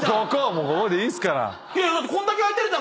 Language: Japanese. もうここでいいっすから。